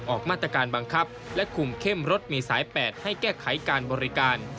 ออกมาตรการบังคับและคุมเข้มรถเมษาย๘ให้แก้ไขการบริการ